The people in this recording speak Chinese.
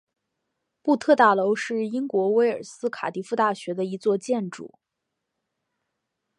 布特大楼是英国威尔斯卡迪夫大学的一座建筑。